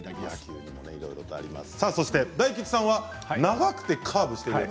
大吉さんは長くてカーブしている。